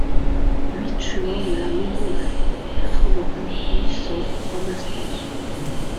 huit chemin de la Maurole, quatre-vingt-un, huit cents, Rabastens